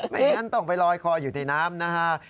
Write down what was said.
ไม่งั้นต้องไปลอยคออยู่ในน้ำนะฮะ